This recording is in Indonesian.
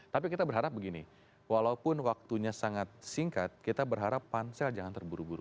tapi kita berharap begini walaupun waktunya sangat singkat kita berharap pansel jangan terburu buru